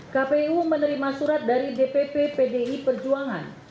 kpu menerima surat dari dpp pdi perjuangan